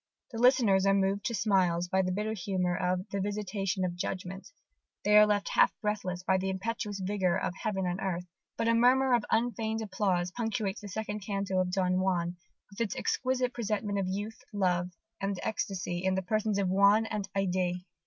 The listeners are moved to smiles by the bitter humour of the Vision of Judgment: they are left half breathless by the impetuous vigour of Heaven and Earth. But a murmur of unfeigned applause punctuates the second canto of Don Juan, with its exquisite presentment of youth, love, and ecstasy in the persons of Juan and Haidée.